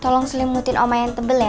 tolong selimutin sama yang tebel ya